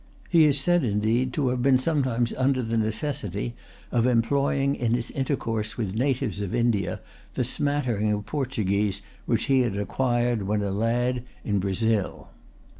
He is said indeed to have been sometimes under the necessity of employing, in his intercourse with natives of India, the smattering of Portuguese which he had acquired, when a lad, in Brazil.